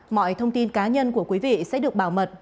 mọi thông tin cá nhân của quý vị sẽ được bảo mật